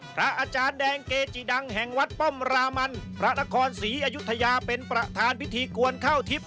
พระอาจารย์แดงเกจิดังแห่งวัดป้อมรามันพระนครศรีอยุธยาเป็นประธานพิธีกวนเข้าทิพย